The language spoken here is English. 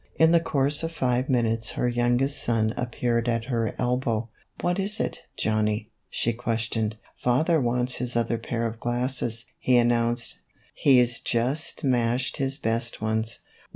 In the course of five minutes her youngest son appeared at her elbow. " What is it, Johnnie ?" she questioned. "Father wants his other pair of glasses," he announced; "he's just smashed his best ones."